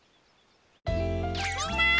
みんな！